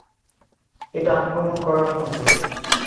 এটা আক্রমণ করার সংকেত।